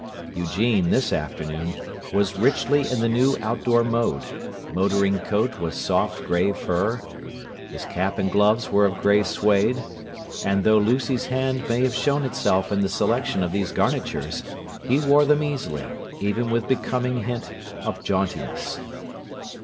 Eugene, this afternoon, was richly in the new outdoor mode: motoring coat was soft gray fur; his cap and gloves were of gray suede; and though Lucy's hand may have shown itself in the selection of these garnitures, he wore them easily, even with becoming hint of jauntiness.